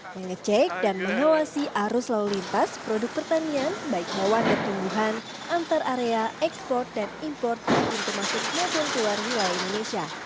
mengecek dan inovasi arus lalu lintas produk pertanian baik mawar dan tumbuhan antar area ekspor dan import untuk masuk dan keluar wilayah indonesia